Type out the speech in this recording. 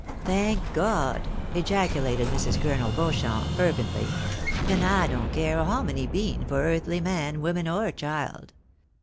" Thank God !" ejactulated Mrs. Colonel Beauchamp, fer vently ;" then I don't care a hominy bean for earthly man, woman, or child.